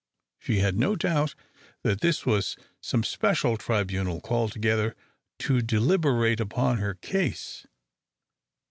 She had no doubt that this was some special tribunal called together to deliberate upon her case.